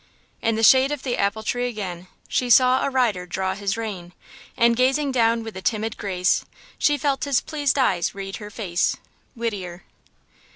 In the shade of the apple tree again She saw a rider draw his rein, And gazing down with a timid grace, She felt his pleased eyes read her face. –WHITTIER.